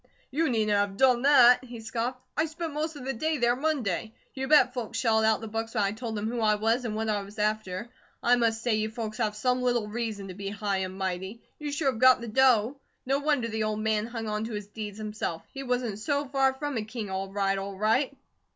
"You needn't have done that," he scoffed. "I spent most of the day there Monday. You bet folks shelled out the books when I told them who I was, and what I was after. I must say you folks have some little reason to be high and mighty. You sure have got the dough. No wonder the old man hung on to his deeds himself. He wasn't so FAR from a King, all right, all right."